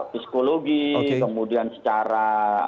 psikologi kemudian secara